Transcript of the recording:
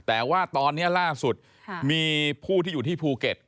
แต่ว่าตอนนี้ล่าสุดมีผู้ที่อยู่ที่ภูเก็ต